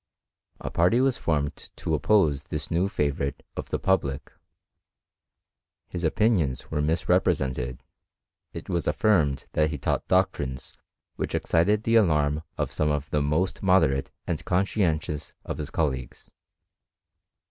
A party was formed to oppose this new favourite of the public. His opinions were misrepresented, it was affirmed that he taught doctrines which excited the alarm of some of the most moderate and conscientious of his colleagues.